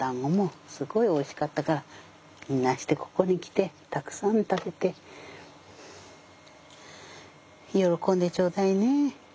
すごいおいしかったからみんなしてここに来てたくさん食べて喜んでちょうだいね。